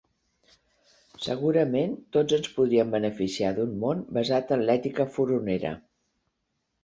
Segurament tots es podrien beneficiar d'un món basat en l'ètica furonera.